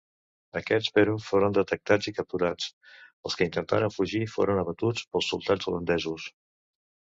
Aquests però, foren detectats i capturats; els que intentaren fugir foren abatuts pels soldats holandesos.